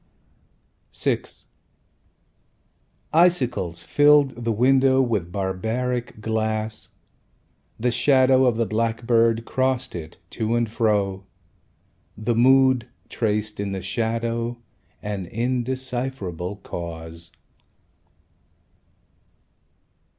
VI Icicles filled the window With barbaric glass. The shadow of the blackbird Crossed it, to and fro. The Mood Traced in the shadow An indecipherable cause.